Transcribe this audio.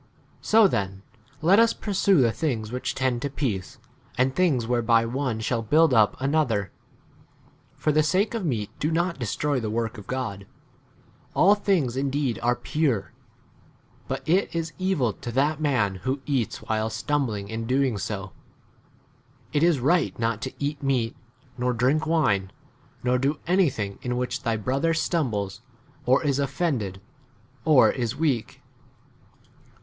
19 So then let us pursue the things which tend to r peace, and things whereby one shall build up an 20 other. s For the sake of meat do not destroy the work of God. All things indeed [are] pure ; but [it is] evil to that man who eats while 21 stumbling [in doing so]. [It is] right not to eat meat, nor drink wine, nor [do anything] in * which thy brother stumbles, or is of 22 fended, or is weak.